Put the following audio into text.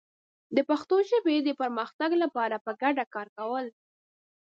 د پښتو ژبې د پرمختګ لپاره په ګډه کار کول